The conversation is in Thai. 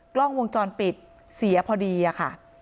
กล้องวงจรปิดเสียพอดีค่ะ